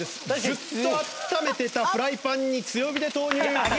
ずっと温めてたフライパンに強火で投入。